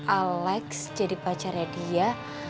alex jadi pacarnya dia